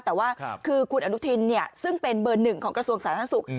แต่ว่าคือคุณอนุทินซึ่งเป็นเบอร์หนึ่งของกระทรวงสาธารณสุข